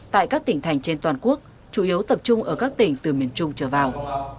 tại các tỉnh thành trên toàn quốc chủ yếu tập trung ở các tỉnh từ miền trung trở vào